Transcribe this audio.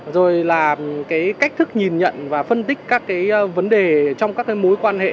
rồi là cái cách thức nhìn nhận và phân tích các cái vấn đề trong các cái mối quan hệ